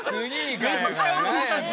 めっちゃ汚れたし。